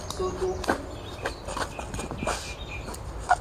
Zodohu.